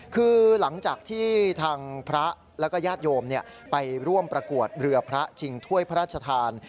คือหลังจากที่ทางพระแล้วก็ญาติโยมไปร่วมประกวดเรือพระชิงถ้วยพระราชทาน